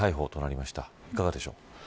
いかがでしょう。